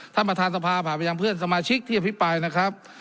ท่านประธานสภาผ่านไปยังเพื่อนสมาชิกที่อภิปรายนะครับ